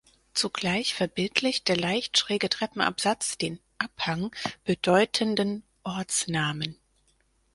Zugleich verbildlicht der leicht schräge Treppenabsatz den „Abhang“ bedeutenden Ortsnamen.